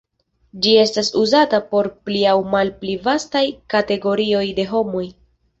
Ĝi estas uzata por pli aŭ malpli vastaj kategorioj de homoj.